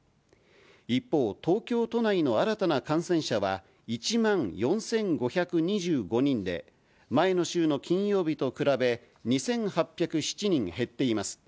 一方、東京都内の新たな感染者は１万４５２５人で、前の週の金曜日と比べ、２８０７人減っています。